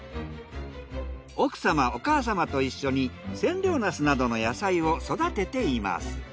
奥様お母様と一緒に千両なすなどの野菜を育てています。